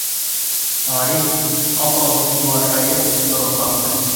Ғариф ҡапыл йыуашайып тороп баҫты.